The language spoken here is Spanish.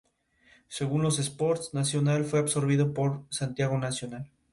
Según "Los Sports", Nacional fue absorbido por Santiago National.